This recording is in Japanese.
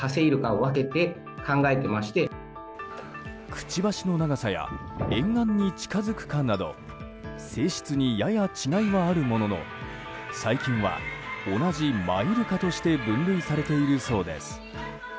くちばしの長さや沿岸に近づくかなど性質に、やや違いはあるものの最近は同じマイルカとして分類されているそうです。